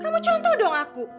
kamu contoh dong aku